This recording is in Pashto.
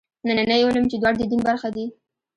ننني علوم چې دواړه د دین برخه دي.